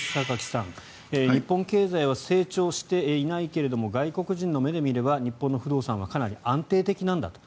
榊さん、日本経済は成長していないけれども外国人の目で見れば日本の不動産はかなり安定的なんだと。